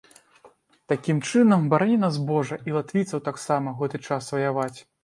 Такім чынам, барані нас божа, і латвійцаў таксама, у гэты час ваяваць.